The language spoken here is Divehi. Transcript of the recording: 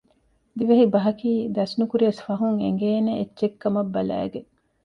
ދިވެހިބަހަކީ ދަސްނުކުރިޔަސް ފަހުން އެނގޭނެ އެއްޗެއްކަމަށް ބަލައިގެން